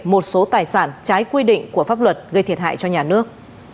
một số tài sản trái quy định của pháp luật gây thiệt hại cho nhà nước